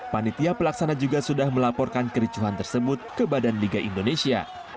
panitia pelaksana juga sudah melaporkan kericuhan tersebut ke badan liga indonesia